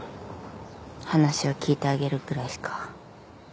話を聞いてあげるくらいしか。